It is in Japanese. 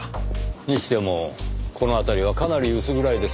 にしてもこの辺りはかなり薄暗いですねぇ。